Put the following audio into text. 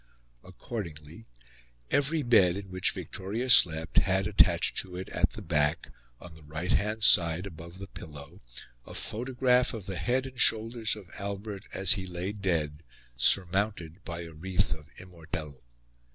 Accordingly, every bed in which Victoria slept had attached to it, at the back, on the right hand side, above the pillow, a photograph of the head and shoulders of Albert as he lay dead, surmounted by a wreath of immortelles.